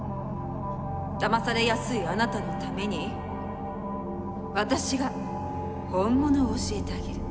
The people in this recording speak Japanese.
だまされやすいあなたのために私が「ホンモノ」を教えてあげる。